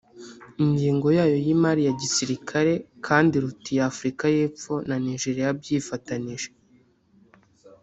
ingengo yayo y’imari ya gisirikare kandi iruta iy’Afurika y’Epfo na Nigeria byifatanije